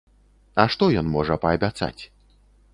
А што ён можа паабяцаць?